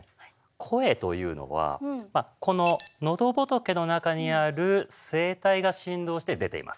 声というのはこののどぼとけの中にある声帯が振動して出ています。